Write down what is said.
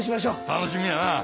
楽しみやなぁ！